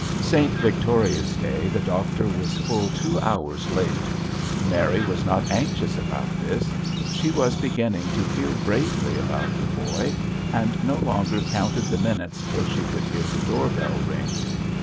St. Victoria's day the doctor was full two hours late. Mary was not anxious about this. She was beginning to feel bravely about the boy, and no longer counted the minutes till she could hear the door bell ring.